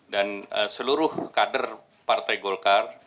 dan seluruh kader partai golkar